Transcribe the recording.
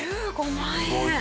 １５万円。